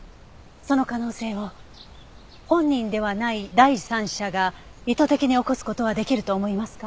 その可能性を本人ではない第三者が意図的に起こす事はできると思いますか？